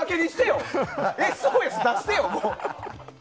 ＳＯＳを出してよ！